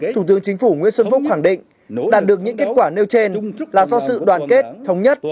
thủ tướng chính phủ nguyễn xuân phúc khẳng định đạt được những kết quả nêu trên là do sự đoàn kết thống nhất